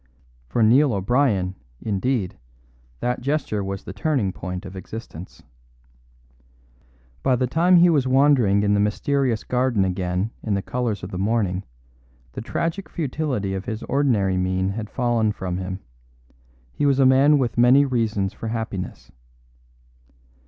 For Neil O'Brien, indeed, that gesture was the turning point of existence. By the time he was wandering in the mysterious garden again in the colours of the morning the tragic futility of his ordinary mien had fallen from him; he was a man with many reasons for happiness.